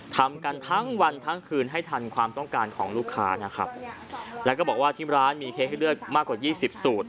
ทำกันทั้งวันทั้งคืนให้ทันความต้องการของลูกค้านะครับแล้วก็บอกว่าที่ร้านมีเค้กให้เลือกมากกว่ายี่สิบสูตร